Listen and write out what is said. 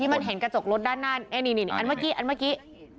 ที่มันเห็นกระจกรถด้านหน้าอันเมื่อกี้